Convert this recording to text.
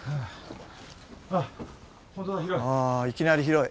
いきなり広い。